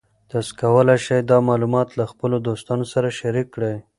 تاسو کولی شئ دا معلومات له خپلو دوستانو سره شریک کړئ.